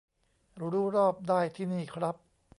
รู้รอบได้ที่นี่ครับ